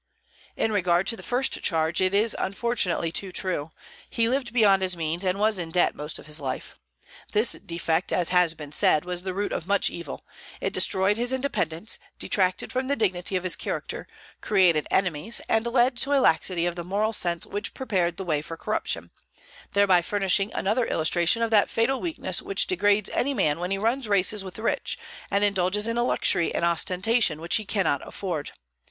In regard to the first charge, it is unfortunately too true; he lived beyond his means, and was in debt most of his life. This defect, as has been said, was the root of much evil; it destroyed his independence, detracted from the dignity of his character, created enemies, and led to a laxity of the moral sense which prepared the way for corruption, thereby furnishing another illustration of that fatal weakness which degrades any man when he runs races with the rich, and indulges in a luxury and ostentation which he cannot afford.